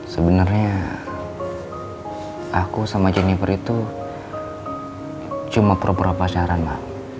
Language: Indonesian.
sebenernya aku sama jennifer itu cuma pura pura pasaran ma